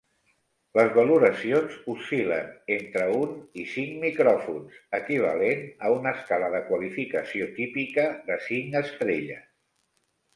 Les valoracions oscil·len entre un i cinc micròfons, equivalent a una escala de qualificació típica de cinc estrelles.